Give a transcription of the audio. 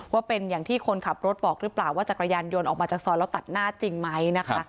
ว่าเป็นอย่างที่คนขับรถบอกหรือเปล่าว่าจักรยานยนต์ออกมาจากซอยแล้วตัดหน้าจริงไหมนะคะ